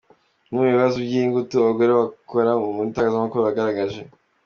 Bimwe mu bibazo by’ingutu abagore bakora mu itangazamakuru bagaragaje.